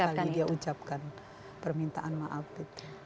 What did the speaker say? sampai tiga kali dia ucapkan permintaan maaf itu